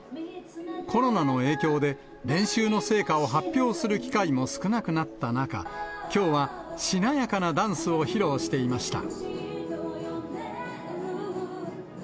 コロナの影響で、練習の成果を発表する機会も少なくなった中、きょうはしなやかな楽しく踊れました。